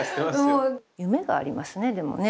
夢がありますねでもね